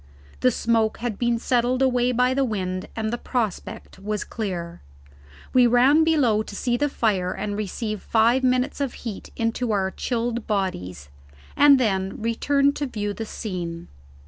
The smoke had been settled away by the wind, and the prospect was clear. We ran below to see to the fire and receive five minutes of heat into our chilled bodies, and then returned to view the scene.